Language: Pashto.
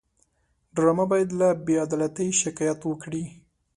ډرامه باید له بېعدالتۍ شکایت وکړي